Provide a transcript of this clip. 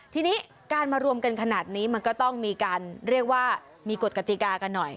ทีนี้การมารวมกันขนาดนี้มันก็ต้องมีการเรียกว่ามีกฎกติกากันหน่อย